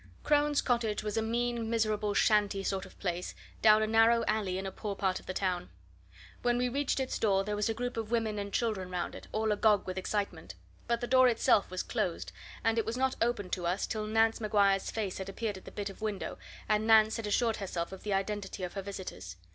Crone's cottage was a mean, miserable shanty sort of place down a narrow alley in a poor part of the town. When we reached its door there was a group of women and children round it, all agog with excitement. But the door itself was closed, and it was not opened to us until Nance Maguire's face had appeared at the bit of a window, and Nance had assured herself of the identity of her visitors.